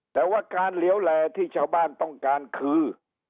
แต่ว่าการเหลียวแลที่ชาวบ้านต้องการคือ